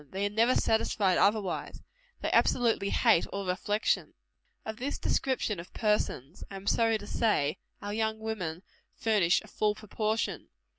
They are never satisfied otherwise. They absolutely hate all reflection. Of this description of persons I am sorry to say it our young women furnish a full proportion.